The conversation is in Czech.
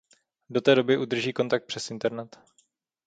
Do té doby udržují kontakt přes internet.